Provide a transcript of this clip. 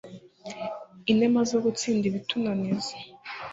inema zo gutsinda ibitunaniza